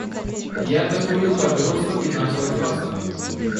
Я докурил папиросу и начал одеваться.